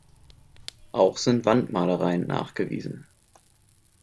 Auch sind Wandmalereien nachgewiesen.